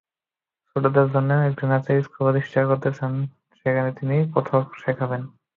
ছোটদের জন্য একটি নাচের স্কুল প্রতিষ্ঠা করতে চান, যেখানে তিনি কত্থক শেখাবেন।